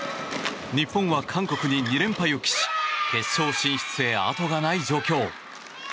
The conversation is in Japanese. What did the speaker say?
日本は韓国に２連敗を喫し決勝進出へ、あとがない状況。